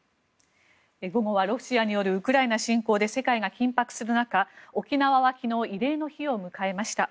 午後はロシアによるウクライナ侵攻で世界が緊迫する中沖縄は昨日慰霊の日を迎えました。